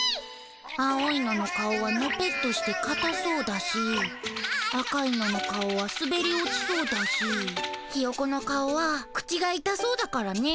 青いのの顔はのぺっとしてかたそうだし赤いのの顔はすべり落ちそうだしヒヨコの顔は口がいたそうだからね。